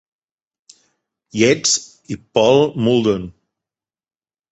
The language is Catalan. Yeats i Paul Muldoon.